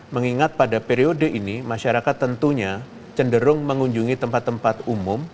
mengingat pada periode ini masyarakat tentunya cenderung mengunjungi tempat tempat umum